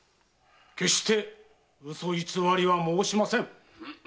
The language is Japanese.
決して嘘偽りは申しません。